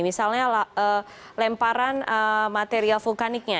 misalnya lemparan material vulkaniknya